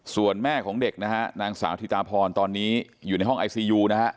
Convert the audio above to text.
ส่วนแม่ของเด็กนะฮะนางสาวธิตาพรตอนนี้อยู่ในห้องไอซียูนะฮะ